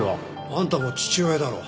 あんたも父親だろ。